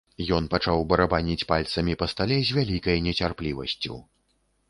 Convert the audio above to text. Ён пачаў барабаніць пальцамі па стале з вялікай нецярплівасцю.